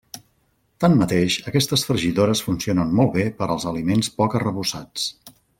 Tanmateix, aquestes fregidores funcionen molt bé per als aliments poc arrebossats.